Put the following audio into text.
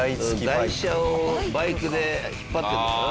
台車をバイクで引っ張ってるのかな？